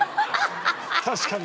確かに。